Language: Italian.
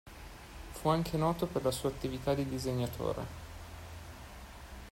Fu anche noto per la sua attività di disegnatore.